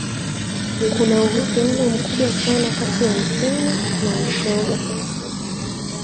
kuna uhusiano mkubwa sana kati ya ukimwi na ushoga